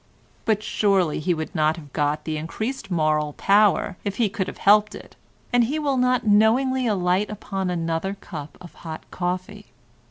But surely he would not have got the increased moral power if he could have helped it, and he will not knowingly alight upon another cup of hot coffee.